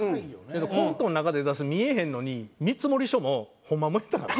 コントの中で出す見えへんのに見積書もホンマもんやったからね。